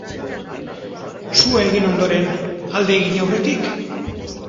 Sua egin ondoren, alde egin aurretik?